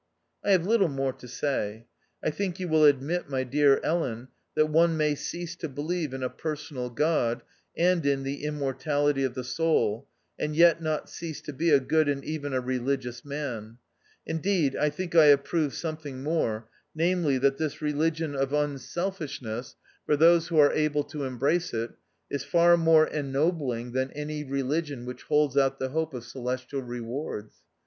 I have little more to say. I think you will admit, my dear Ellen, that one may cease to believe in a Personal God, and in the Immortality of the Soul, and yet not cease to be a good and even a religious man ; indeed, I think I have proved something more, namely, that this Religion of tinsel i'6o THE OUTCAST. fishness, for those who are able to embrace it, is far more ennobling than any religion which holds out the hope of celestial re wards.